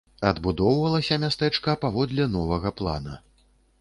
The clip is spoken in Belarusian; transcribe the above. Адбудоўвалася мястэчка паводле новага плана.